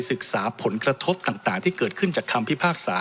ศึกษาผลกระทบต่างที่เกิดขึ้นจากคำพิพากษา